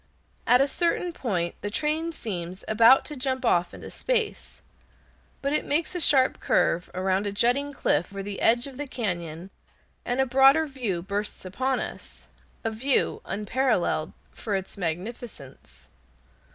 At a certain point the train seems about to jump off into space, but it makes a sharp curve around a jutting cliff on the edge of the cañon, and a broader view bursts upon us, a view unparalleled for its magnificence.